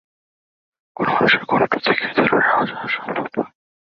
কোনো মানুষের কণ্ঠ থেকে এ-ধরনের আওয়াজ হওয়া সম্ভব নয়।